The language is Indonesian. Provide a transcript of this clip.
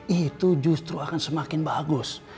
itu justru akan semakin bagus